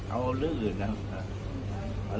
เอาเรื่องอื่นนะเรื่องอะไร